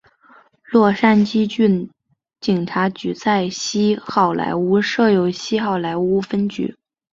洛杉矶郡警察局在西好莱坞设有西好莱坞分局。